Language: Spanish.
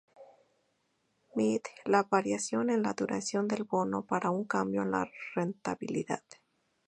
Mide la variación en la duración del bono para un cambio en la rentabilidad.